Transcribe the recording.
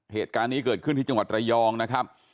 เหตุการณ์นี้เกิดขึ้นที่จังหวัดระยองนะครับ